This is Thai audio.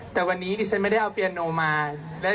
แต่วันนี้ดิฉันไม่ได้เอาเปียโนมา